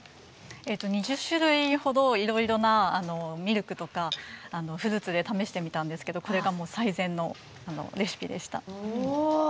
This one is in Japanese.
２０種類ほどいろいろなミルクとかフルーツで試してみたんですがこれが最善のレシピでした。